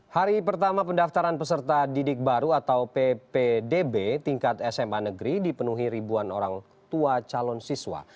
hari pertama pendaftaran peserta didik baru atau ppdb tingkat sma negeri dipenuhi ribuan orang tua calon siswa